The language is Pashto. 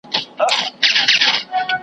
هم په غره هم په ځنګلونو کي غښتلی .